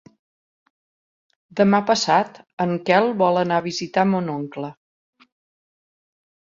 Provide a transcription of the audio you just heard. Demà passat en Quel vol anar a visitar mon oncle.